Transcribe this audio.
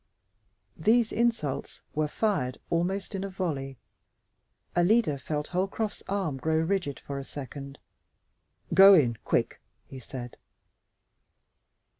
These insults were fired almost in a volley. Alida felt Holcroft's arm grow rigid for a second. "Go in, quick!" he said.